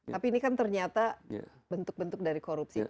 tapi ini kan ternyata bentuk bentuk dari korupsi